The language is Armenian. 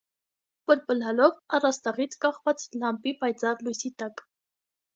պլպլալով առաստաղից կախված լամպի պայծառ լույսի տակ: